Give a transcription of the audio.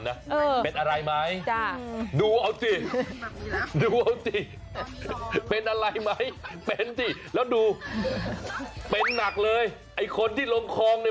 แล้วคนตายเนี่ยดูสิแพ้นะ